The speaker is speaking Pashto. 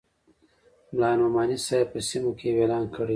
ملا نعماني صاحب په سیمو کې یو اعلان کړی وو.